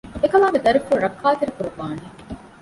އެކަލާނގެ ދަރިފުޅު ރައްކާތެރި ކުރައްވާނެ